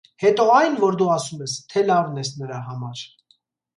- Հետո այն, որ դու ասում ես, թե լավն ես նրա համար…